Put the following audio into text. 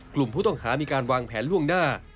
กลุ่มผู้ต้องหามีการวางแผนล่วงหน้า